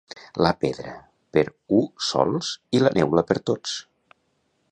La pedra per u sols i la neula per tots.